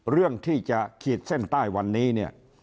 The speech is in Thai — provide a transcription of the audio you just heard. เรื่องที่จะขีดเส้นใต้วันนี้เนี่ย